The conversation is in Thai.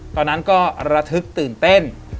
ตอนนั้นก็ระทึกตื่นเต้น